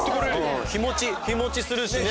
日持ちするしね。